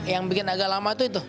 yang bikin agak lama itu itu